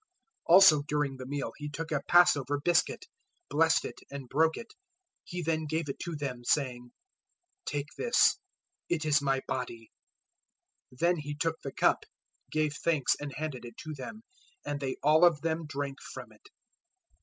014:022 Also during the meal He took a Passover biscuit, blessed it, and broke it. He then gave it to them, saying, "Take this, it is my body." 014:023 Then He took the cup, gave thanks, and handed it to them, and they all of them drank from it.